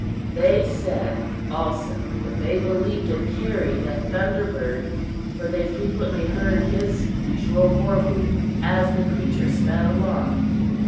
They said also that they believed it carried a thunder bird, for they frequently heard his usual war whoop as the creature sped along!"